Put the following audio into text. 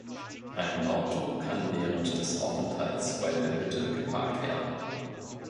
Ein Auto kann während des Aufenthalts bei der Hütte geparkt werden.